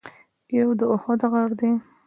یو د اُحد غر دی.